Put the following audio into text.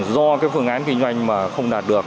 do cái phương án kinh doanh mà không đạt được